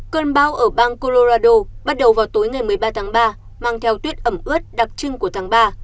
cơn bão ở bang colorado bắt đầu vào tối ngày một mươi ba tháng ba mang theo tuyết ẩm ướt đặc trưng của tháng ba